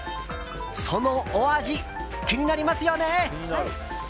そのお味、気になりますよね。